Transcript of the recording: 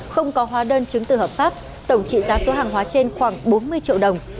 không có hóa đơn chứng từ hợp pháp tổng trị giá số hàng hóa trên khoảng bốn mươi triệu đồng